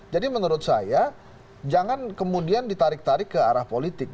jadi menurut saya jangan kemudian ditarik tarik ke arah politik